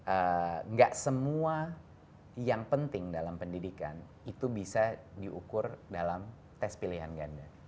enggak semua yang penting dalam pendidikan itu bisa diukur dalam tes pilihan ganda